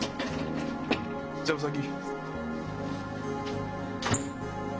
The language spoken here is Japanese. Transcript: じゃあお先。